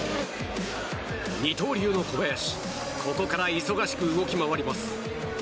二刀流の小林ここから忙しく動き回ります。